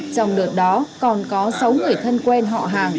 trong đợt đó còn có sáu người thân quen họ hàng